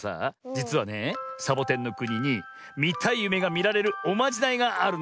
じつはねえサボテンのくににみたいゆめがみられるおまじないがあるんだぜえ。